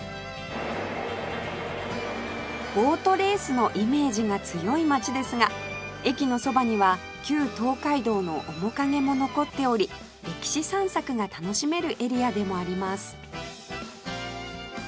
ボートレースのイメージが強い街ですが駅のそばには旧東海道の面影も残っており歴史散策が楽しめるエリアでもあります